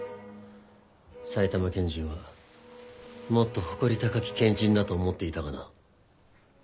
埼玉県人はもっと誇り高き県人だと思っていたがな。